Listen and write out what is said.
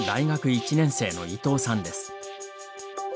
１年生の伊藤さんです。